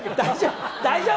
大丈夫？